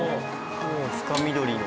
もう深緑の。